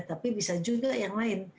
tapi bisa juga yang lain